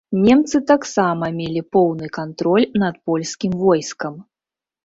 Немцы таксама мелі поўны кантроль над польскім войскам.